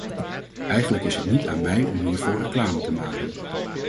Eigenlijk is het niet aan mij om hiervoor reclame te maken.